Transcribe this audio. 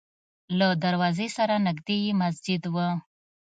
له دروازې سره نږدې یې مسجد و.